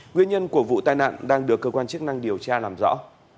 nguyên nhân của vụ tai nạn đang được cơ quan chức năng điều tra làm rõ